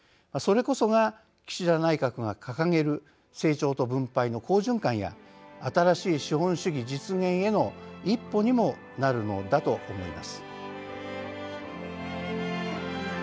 それこそが岸田内閣が掲げる「成長と分配の好循環」や「新しい資本主義実現」への一歩にもなるのだと思います。